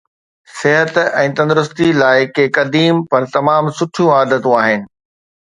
صحت ۽ تندرستي لاءِ ڪي قديم پر تمام سٺيون عادتون آهن